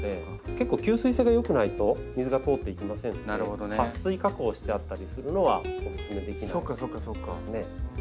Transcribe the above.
結構吸水性が良くないと水が通っていきませんのではっ水加工してあったりするのはおすすめできないですね。